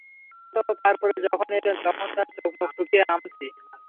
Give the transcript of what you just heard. এক সপ্তাহ পার করে যখন এলেন তখন তাঁর চোখ-মুখ শুকিয়ে আমসি।